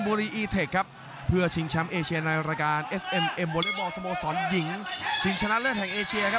บริบัติธรรมสมสรรห์หญิงจึงชนะเลือดแห่งเอเชียครับ